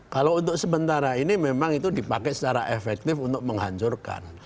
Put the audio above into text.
kalau untuk sementara ini memang itu dipakai secara efektif untuk menghancurkan